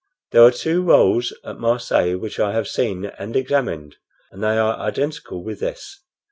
There are two rolls at Marseilles which I have seen and examined, and they are identical with this.